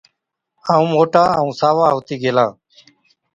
ائُون موٽا ائُون ساوا هُتِي گيلا۔